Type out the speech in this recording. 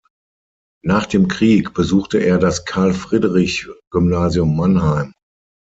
Nach dem Krieg besuchte er das Karl-Friedrich-Gymnasium Mannheim.